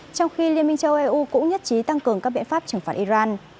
cho eu cũng nhất trí tăng cường các biện pháp trừng phạt iran